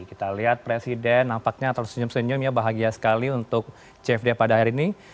kita lihat presiden nampaknya tersenyum senyum ya bahagia sekali untuk cfd pada hari ini